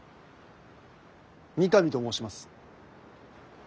三上と申します。